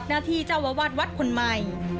นาทีเจ้าวาดวัดคนใหม่